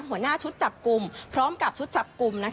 หัวหน้าชุดจับกลุ่มพร้อมกับชุดจับกลุ่ม